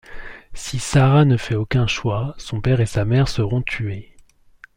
Si Sara ne fait aucun choix, son père et sa mère seront tués.